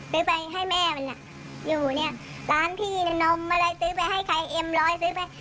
ไปให้แม่มันอ่ะอยู่เนี่ยร้านพี่นมอะไรซื้อไปให้ใครเอ็มร้อยซื้อไป